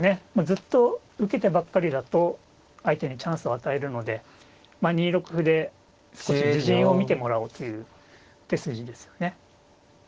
ずっと受けてばっかりだと相手にチャンスを与えるので２六歩で少し自陣を見てもらおうという手筋ですよね。